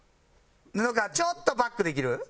布川ちょっとバックできる？